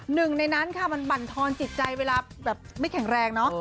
หนึ่งในนั้นค่ะมันบั่นทอนจิตใจเวลาแบบไม่แข็งแรงเนอะ